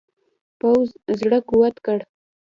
پوځ زړه قوت کړ.